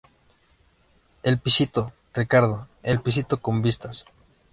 el pisito, Ricardo, el pisito con vistas.